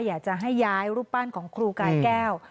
อยากจะให้ย้ายรูปปั้นของครูกายแก้ว